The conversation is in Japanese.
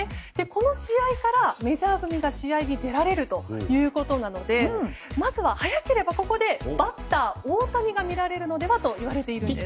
この試合からメジャー組が試合に出られるということなのでまずは、早ければここでバッター大谷が見られるのではといわれているんです。